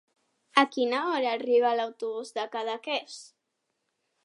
A quina hora arriba l'autobús de Cadaqués?